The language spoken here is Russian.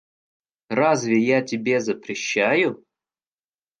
Разве я тебе запрещаю?